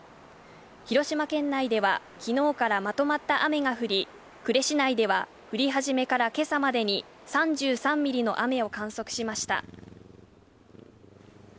広島県内では昨日からまとまった雨が降り、呉市内では降り始めから今朝までに３３ミリの雨を観測しました。